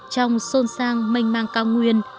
trong sôn sang mênh mang cao nguyên